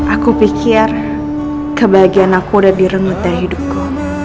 aku pikir kebahagiaan aku udah direnggut dari hidupku